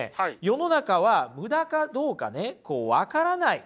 世の中はムダかどうかね分からない